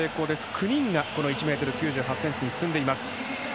９人が１ｍ９８ｃｍに進んでいます。